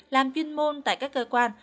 làm chuyên môn tại các cơ quan